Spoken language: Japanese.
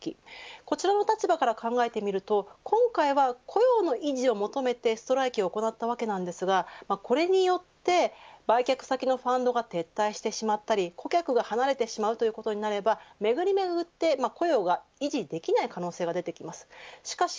こちらの立場から考えてみると今回は雇用の維持を求めてストライキを行ったわけですがこれによって売却先のファンドが撤退してしまったり顧客が離れてしまうということになればめぐりめぐって雇用が維持できない可能性が出てきます、しかし